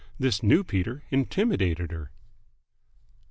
This new Peter intimidated her.